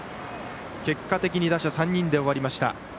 結果的に打者３人で終わりました。